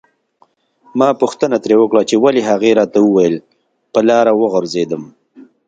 ما پوښتنه ترې وکړه چې ولې هغې راته وویل په لاره وغورځیدم.